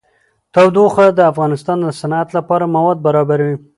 تودوخه د افغانستان د صنعت لپاره مواد برابروي.